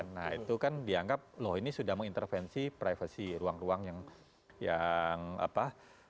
nah itu kan dianggap loh ini sudah mengintervensi privasi ruang ruang yang apa